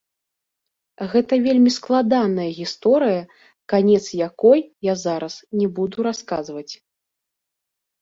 Гэта вельмі складаная гісторыя, канец якой я зараз не буду расказваць.